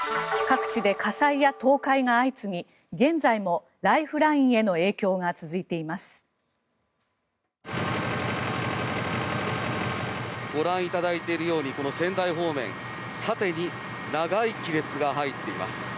各地で火災や倒壊が相次ぎ現在もライフラインへの影響が続いています。